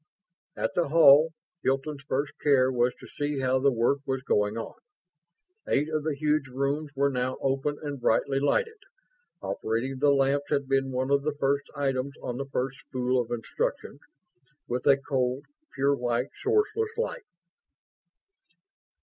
At the Hall, Hilton's first care was to see how the work was going on. Eight of the huge rooms were now open and brightly lighted operating the lamps had been one of the first items on the first spool of instructions with a cold, pure white, sourceless light.